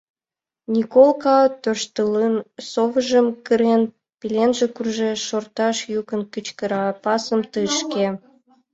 Николка, тӧрштылын, совыжым кырен, пеленже куржеш, шортшаш йӱкын кычкыра: «Пасым тышке!